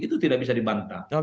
itu tidak bisa dibantah